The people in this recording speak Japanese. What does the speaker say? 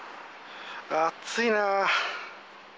暑いなー。